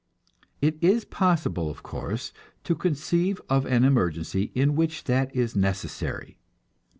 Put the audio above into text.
It is possible, of course, to conceive of an emergency in which that is necessary.